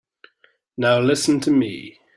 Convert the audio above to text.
Now listen to me.